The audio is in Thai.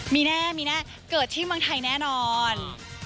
มีแน่มีแน่เกิดที่เมืองไทยแน่นอน